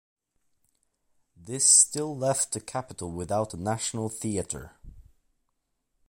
This still left the capital without a national theatre.